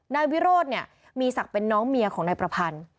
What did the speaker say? นายวิโรธเนี่ยมีศักดิ์เป็นน้องเมียของนายประพันธ์